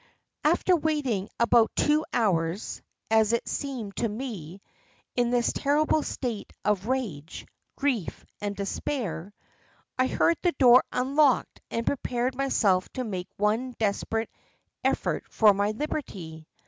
"After waiting about two hours (as it seemed to me) in this terrible state of rage, grief, and despair, I heard the door unlocked and prepared myself to make one desperate effort for my liberty.